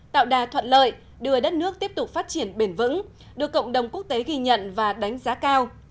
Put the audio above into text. tạo đà thuận lợi đưa đất nước tiếp tục phát triển bền vững được cộng đồng quốc tế ghi nhận và đánh giá cao